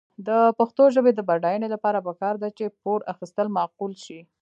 د پښتو ژبې د بډاینې لپاره پکار ده چې پور اخیستل معقول شي.